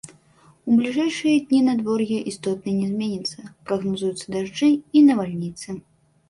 У бліжэйшыя дні надвор'е істотна не зменіцца, прагназуюцца дажджы і навальніцы.